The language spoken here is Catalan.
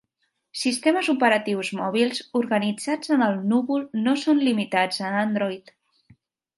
Sistemes operatius mòbils organitzats en el núvol no són limitats a Android.